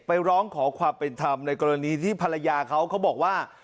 ร้องขอความเป็นธรรมในกรณีที่ภรรยาเขาเขาบอกว่า